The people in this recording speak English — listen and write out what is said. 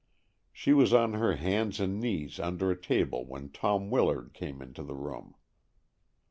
She was on her hands and knees under a table when Tom Willard came into the room.